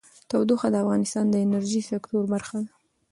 تودوخه د افغانستان د انرژۍ سکتور برخه ده.